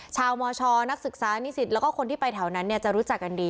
มชนักศึกษานิสิตแล้วก็คนที่ไปแถวนั้นจะรู้จักกันดี